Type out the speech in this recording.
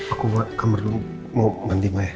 aku mau ke kamar dulu mau mandi maya